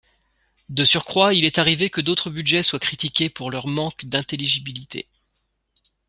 De surcroît, il est arrivé que d’autres budgets soient critiqués pour leur manque d’intelligibilité.